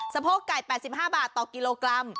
โพกไก่๘๕บาทต่อกิโลกรัม